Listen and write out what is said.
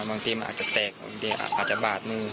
บางทีมันอาจจะแตกบางทีอาจจะบาดมือ